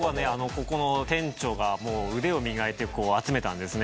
ここの店長が腕を磨いて集めたんですね。